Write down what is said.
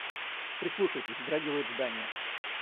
Прислушайтесь — вздрагивает здание.